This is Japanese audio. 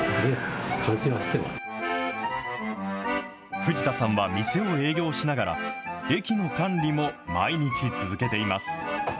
藤田さんは店を営業しながら、駅の管理も毎日続けています。